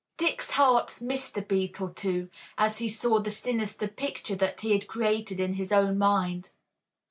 Dick's heart missed a beat or two, as he saw the sinister picture that he had created in his own mind.